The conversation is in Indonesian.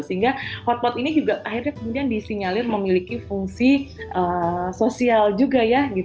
sehingga hotpot ini juga akhirnya kemudian disinyalir memiliki fungsi sosial juga ya